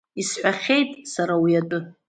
Исҳәахьеит сара уи атәы.